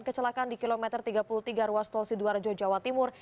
kecelakaan di kilometer tiga puluh tiga ruas tol sidoarjo jawa timur